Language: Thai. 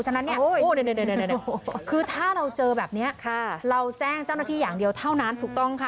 ฉะนั้นเนี่ยคือถ้าเราเจอแบบนี้เราแจ้งเจ้าหน้าที่อย่างเดียวเท่านั้นถูกต้องค่ะ